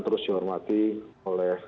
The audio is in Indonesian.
terus dihormati oleh